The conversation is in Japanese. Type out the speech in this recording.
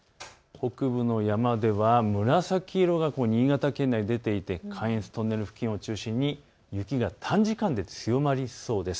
北部の山では紫色が新潟県内で出ていて関越道などを中心に雪が短時間で強まりそうです。